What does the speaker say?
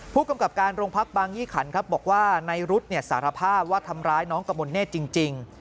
ผู้กำกับการโรงพักบางยี่ขันครับบอกว่าในรุ๊ดสารภาพว่าทำร้ายน้องกระมวลเนธจริง